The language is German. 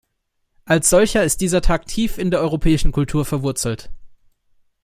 Als solcher ist dieser Tag tief in der europäischen Kultur verwurzelt.